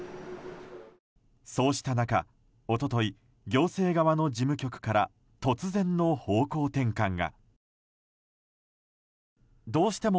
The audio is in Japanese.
そうした中、一昨日行政側の事務局から突然の方向転換が。